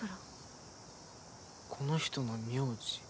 この人の名字。